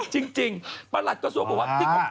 ประหลัดกระทรวงบอกว่า